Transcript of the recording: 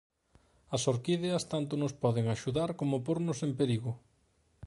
As orquídeas tanto nos poden axudar como pornos en perigo.